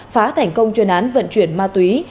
phá thành công chuyên án vận chuyển ma túy